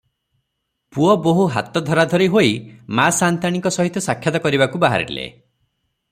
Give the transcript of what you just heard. ପୁଅ ବୋହୁ ହାତ ଧରାଧରି ହୋଇ ମା ସାନ୍ତାଣୀଙ୍କ ସହିତ ସାକ୍ଷାତ୍ କରିବାକୁ ବାହାରିଲେ ।